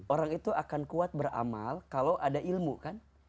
orang itu akan kuat beramal kalau ada ilmu kan